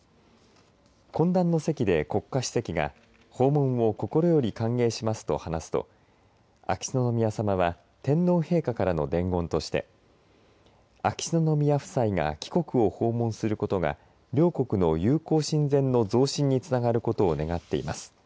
懇談の席で、国家主席が訪問を心より歓迎しますと話すと秋篠宮さまは天皇陛下からの伝言として秋篠宮夫妻が貴国を訪問することが両国の友好親善の増進につながることを願っています。